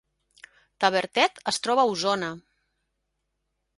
Tavertet es troba a Osona